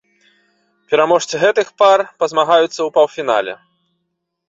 Пераможцы гэтых пар пазмагаюцца ў паўфінале.